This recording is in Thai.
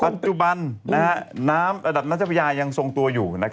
ปัจจุบันน้ำอัดับนัชพยายังทรงตัวอยู่